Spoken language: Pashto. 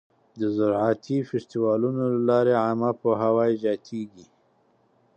د زراعتي فستیوالونو له لارې عامه پوهاوی زیاتېږي.